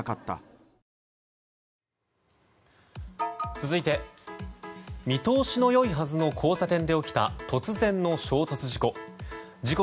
続いて見通しの良いはずの交差点で起きた突然の衝突事故。